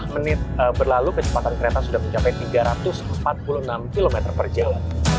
dua puluh menit berlalu kecepatan kereta sudah mencapai tiga ratus empat puluh enam km per jam